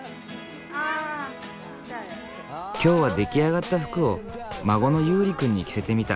今日は出来上がった服を孫の悠里君に着せてみた。